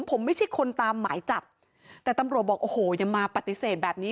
ผมไม่ใช่คนตามหมายจับแต่ตำรวจบอกโอ้โหอย่ามาปฏิเสธแบบนี้